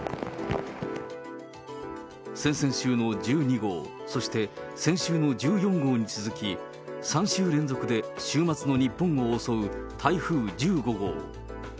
先々週の１２号、そして先週の１４号に続き、３週連続で週末の日本を襲う台風１５号。